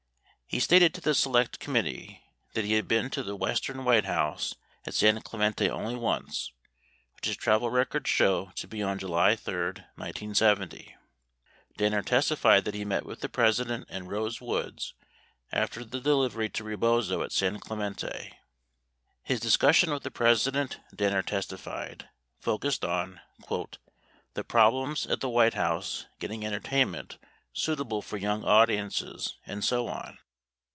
He stated to the Select Committee that he had been to the Western White House at San Clemente only once, which his travel records show to be on July 3, 1970. 41 Danner testified that he met with the President and Rose Woods after the delivery to Rebozo at San Clemente. His dis cussion with the President, Danner testified, focused on "the problems at the White House getting entertainment ... suitable for young audiences and so on